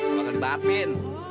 gak bakal dibahapin